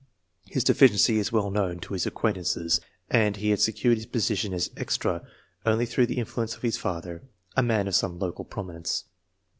His deficiency is well known to his acquaintances, and he had secured his position as " extra M only through the influence of his father, a man of some local prominence.